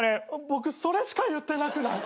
僕それしか言ってなくない？